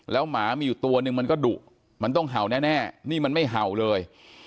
หมามีอยู่ตัวนึงมันก็ดุมันต้องเห่าแน่นี่มันไม่เห่าเลย